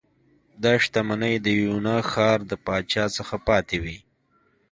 دا شتمنۍ د یونا ښار د پاچا څخه پاتې وې